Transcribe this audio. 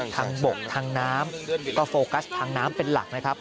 ทางบกทางน้ำก็โฟกัสทางน้ำเป็นหลักนะครับ